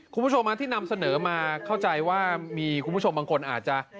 คุณผู้ชมที่นำเสนอมาเข้าใจว่ามีคุณผู้ชมบางคนอาจจะ